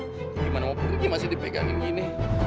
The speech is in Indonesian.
gimanapun masih dipegangin gini